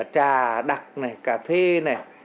trà đặc này cà phê này